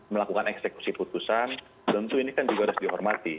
melakukan eksekusi putusan tentu ini kan juga harus dihormati